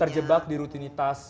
terjebak di rutinitas